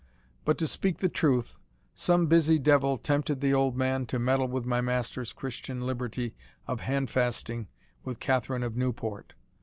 But, to speak the truth, some busy devil tempted the old man to meddle with my master's Christian liberty of hand fasting with Catherine of Newport.